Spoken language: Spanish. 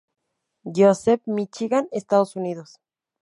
Joseph, Michigan, Estados Unidos.